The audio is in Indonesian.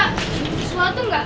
bisa suatu gak